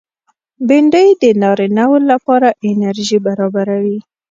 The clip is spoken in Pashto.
بېنډۍ د نارینه و لپاره انرژي برابروي